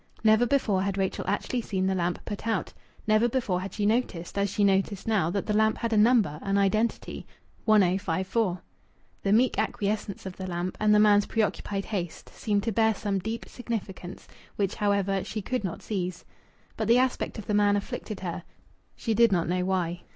Never before had Rachel actually seen the lamp put out. Never before had she noticed, as she noticed now, that the lamp had a number, an identity 1054. The meek acquiescence of the lamp, and the man's preoccupied haste, seemed to bear some deep significance, which, however, she could not seize. But the aspect of the man afflicted her, she did not know why.